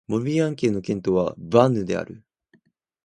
モルビアン県の県都はヴァンヌである